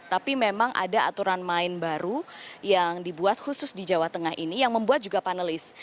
tapi memang ada aturan main baru yang dibuat khusus di jawa tengah ini yang membuat juga panelis